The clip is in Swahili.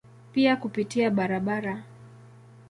Pia kupitia barabara.